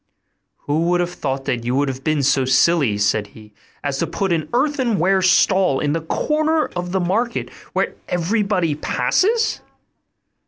'Who would have thought you would have been so silly,' said he, 'as to put an earthenware stall in the corner of the market, where everybody passes?